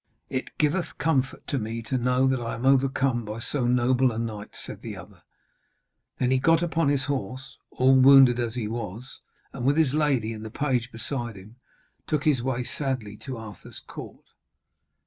'It giveth comfort to me to know that I am overcome by so noble a knight,' said the other. Then he got upon his horse, all wounded as he was, and with his lady and the page beside him took his way sadly to Arthur's court.